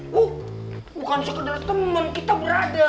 bukan sekedar temen kita brother